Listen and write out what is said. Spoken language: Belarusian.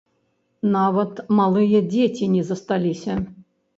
Нават малыя дзеці не засталіся.